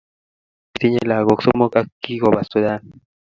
Kitinye lakok somok ak kikoba Sudan